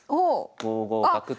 ５五角と。